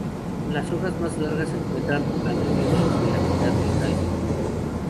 Las hojas más largas se encuentran alrededor de la mitad del tallo.